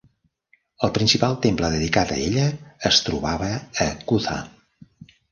El principal temple dedicat a ella es trobava a Kutha.